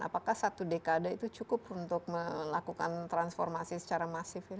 apakah satu dekade itu cukup untuk melakukan transformasi secara masif